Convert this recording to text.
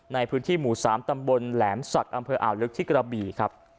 ในพื้นที่หมู่๓ตำบลแหลมศักดิ์อำเภออ่าวลึกที่กระบี่ครับ